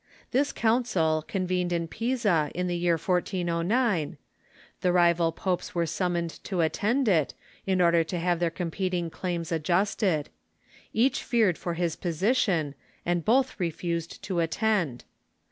This council convened in Pisa, in the year 1409. The rival pojjes were summoned to attend it, in order to have their competing claims adjusted. Each feared for his position, and both refused to attend.